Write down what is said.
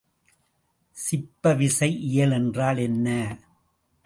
சிப்பவிசை இயல் என்றால் என்ன?